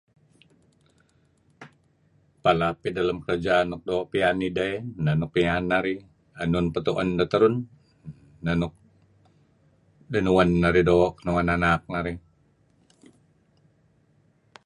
Palap ideh lem kerja nuk doo' piyan ideh neh nuk piyan ideh. Enun peh nukpiyan ideh nh nuk linuen narih doo' kin an anak narih.